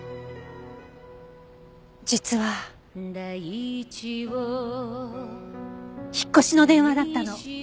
実は引っ越しの電話だったの。